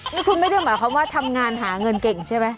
นี่คุณไม่ได้หมายความว่าทำงานหาเงินเก่งใช่ไหม